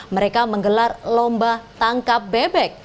mereka menggelar lomba tangkap bebek